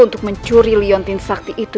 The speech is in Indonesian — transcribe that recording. untuk mencuri liontin sakti itu